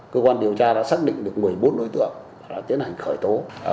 cơ quan điều tra đã xác định được một mươi bốn đối tượng đã tiến hành khởi tố